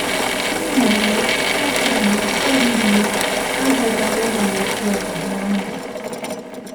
Sin embargo, Austria se adhirió al tratado en agosto del mismo año.